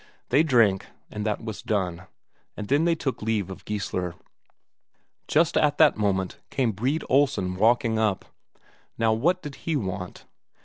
They drank, and that was done. And then they took leave of Geissler. Just at that moment came Brede Olsen walking up. Now what did he want?